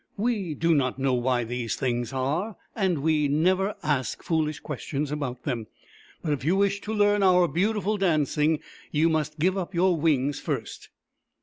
" We do not know why these things are, and we never ask foolish questions about them. But if you wish to learn our beautiful dancing, you must give up your wings first."